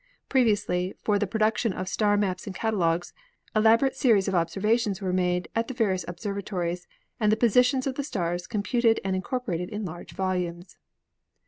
Previously,, for the production of star maps and catalogues, elaborate series of observations were made at the various observatories and the positions of the stars computed and incorporated in large volumes.